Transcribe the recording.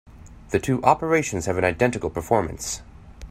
The two operations have an identical performance.